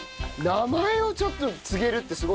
名前をちょっと継げるってすごいね。